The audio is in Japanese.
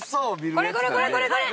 これこれこれこれこれ！